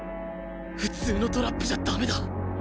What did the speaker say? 普通のトラップじゃ駄目だ